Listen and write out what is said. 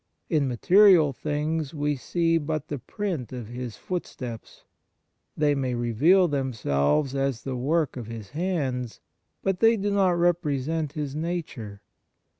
In material things we see but the print of His footsteps. They may reveal themselves as the work of His hands, but they do not represent His nature.